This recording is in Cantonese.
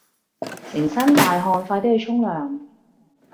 成身大汗快啲去沖涼